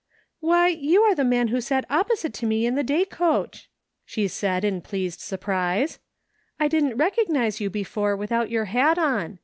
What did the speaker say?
" Why, you are the man who sat opposite to me in the day coach," she said in pleased surprise, " I didn't recognize you before without your hat on.